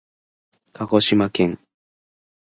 かごしまけん